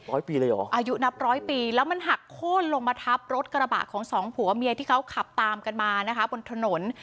ปีเลยเหรออายุนับร้อยปีแล้วมันหักโค้นลงมาทับรถกระบะของสองผัวเมียที่เขาขับตามกันมานะคะบนถนน